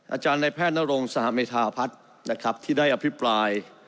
อาจารย์ในแพทย์นรงสหเมธาพัฒน์นะครับที่ได้อภิปราย